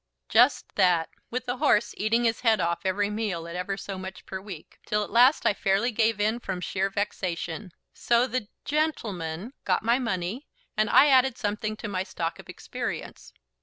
"Just that; with the horse eating his head off every meal at ever so much per week, till at last I fairly gave in from sheer vexation. So the gentleman got my money, and I added something to my stock of experience.